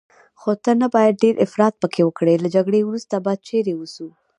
خو ته نه باید ډېر افراط پکې وکړې، له جګړې وروسته به چیرې اوسو؟